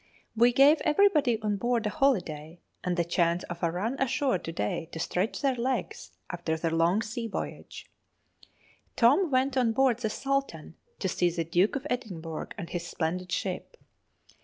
We gave everybody on board a holiday, and the chance of a run ashore to day to stretch their legs after their long sea voyage. Tom went on board the 'Sultan' to see the Duke of Edinburgh and his splendid ship.